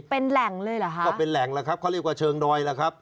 เป็นแหล่งเลยเหรอฮะก็เป็นแหล่งแล้วครับเขาเรียกว่าเชิงดอยล่ะครับ